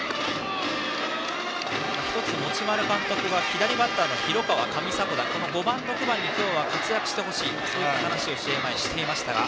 持丸監督は左バッターの広川、上迫田この５番、６番に今日は活躍してほしいと試合前に話していました。